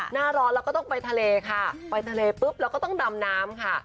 หน้าร้อนเราก็ต้องไปทะเลค่ะไปทะเลปุ๊บเราก็ต้องดำน้ำค่ะ